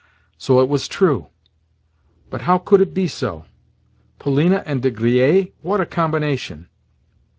So, it was true? But how could it be so? Polina and De Griers! What a combination!